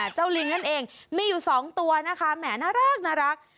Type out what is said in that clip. ลิงนั่นเองมีอยู่๒ตัวนะคะแหมน่ารัก